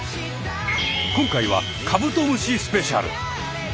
今回はカブトムシスペシャル！